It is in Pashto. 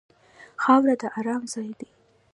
خاوره د ارام ځای دی.